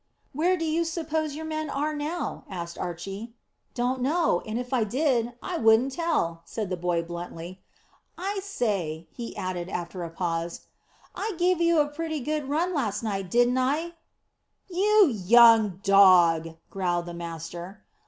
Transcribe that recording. "Where do you suppose your men are now?" asked Archy. "Don't know, and if I did, I wouldn't tell," said the boy bluntly. "I say," he added, after a pause, "I give you a pretty good run last night, didn't I?" "You young dog!" growled the master.